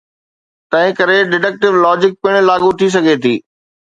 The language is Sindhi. تنهن ڪري deductive logic پڻ لاڳو ٿي سگهي ٿي.